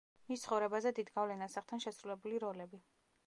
მის ცხოვრებაზე დიდ გავლენას ახდენს შესრულებული როლები.